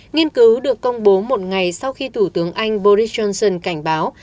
nghiên cứu được công bố một ngày sau khi thủ tướng anh boris johnson cảnh báo